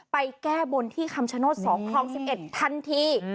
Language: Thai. แก้บนที่คำชโนธ๒คลอง๑๑ทันที